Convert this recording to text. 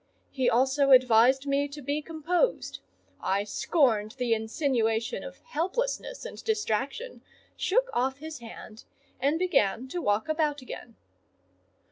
He also advised me to be composed; I scorned the insinuation of helplessness and distraction, shook off his hand, and began to walk about again.